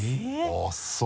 あぁそう。